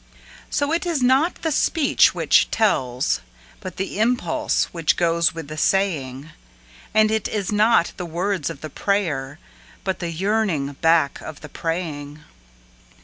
So it is not the speech which tells, but the impulse which goes with the saying; And it is not the words of the prayer, but the yearning back of the praying.